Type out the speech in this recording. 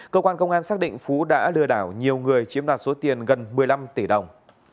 cơ quan công an xác định phú đã lừa đảo nhiều người chiếm đoạt số tiền gần một mươi năm tỷ đồng